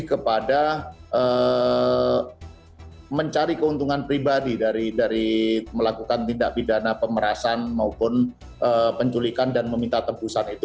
jadi kepada mencari keuntungan pribadi dari melakukan tindak pidana pemerasan maupun penculikan dan meminta tebusan itu